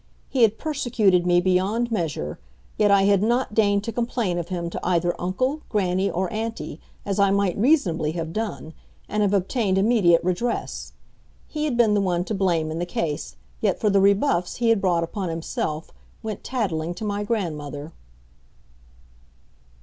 He had persecuted me beyond measure, yet I had not deigned to complain of him to either uncle, grannie, or auntie, as I might reasonably have done, and have obtained immediate redress. He had been the one to blame in the case, yet for the rebuffs he had brought upon himself, went tattling to my grandmother.